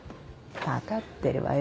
分かってるわよ